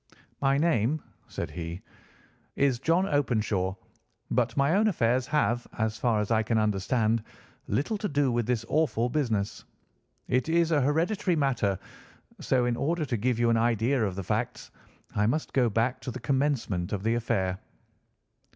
"My name," said he, "is John Openshaw, but my own affairs have, as far as I can understand, little to do with this awful business. It is a hereditary matter; so in order to give you an idea of the facts, I must go back to the commencement of the affair.